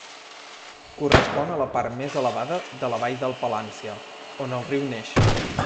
Correspon a la part més elevada de la Vall del Palància, on el riu naix.